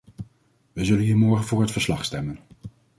Wij zullen hier morgen voor het verslag stemmen.